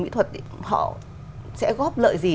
mỹ thuật họ sẽ góp lợi gì